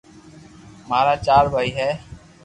مارا چار ڀائي ھي